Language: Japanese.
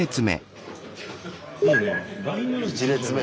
１列目。